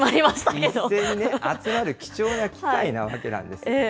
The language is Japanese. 一斉に集まる貴重な機会なわけなんですよ。